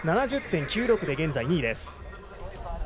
７０．９６で現在２位です。